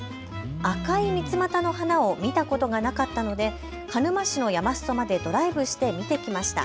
赤いミツマタの花を見たことがなかったので鹿沼市の山すそまでドライブして見て来ました。